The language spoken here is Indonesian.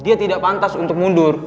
dia tidak pantas untuk mundur